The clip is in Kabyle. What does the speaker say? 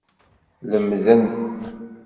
Lemden.